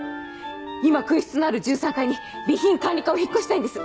今空室のある１３階に備品管理課を引っ越したいんです。